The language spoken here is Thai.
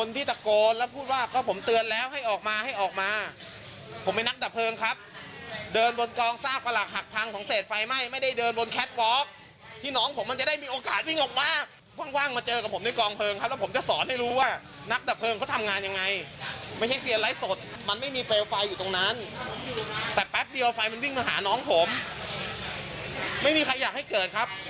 แต่แป๊บเดียวไฟมันวิ่งมาหาน้องผมไม่มีใครอยากให้เกิดครับ